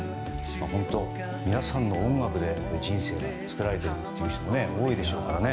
皆さんの音楽で、人生が作られているという人も多いでしょうからね。